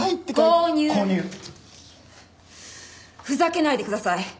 ふざけないでください！